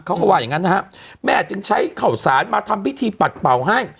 เขาก็ว่าอย่างงั้นนะฮะแม่จึงใช้ข่าวสารมาทำพิธีปัดเป่าให้